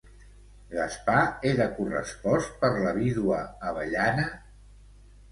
Gaspar era correspost per la vídua Avellana?